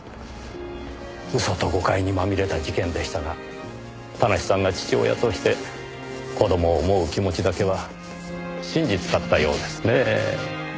嘘と誤解にまみれた事件でしたが田無さんが父親として子供を思う気持ちだけは真実だったようですねぇ。